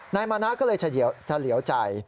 นายมานะก็เลยเฉลียวใจ